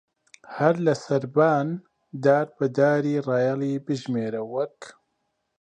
هەر لە سەربان دار بە داری ڕایەڵی بژمێرە وەک